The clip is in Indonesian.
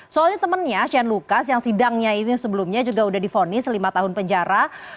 soalnya temennya sean lucas yang sidangnya ini sebelumnya juga udah di fonis lima tahun penjara